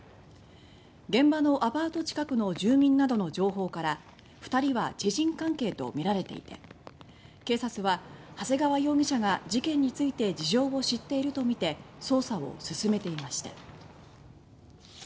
現場のアパート近くの住民などの情報から２人は知人関係とみられていて警察は長谷川容疑者が事件について事情を知っているとみて捜査を進めていました。